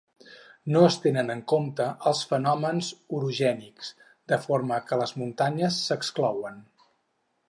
No es tenen en compte els fenòmens orogènics, de forma que les muntanyes s'exclouen.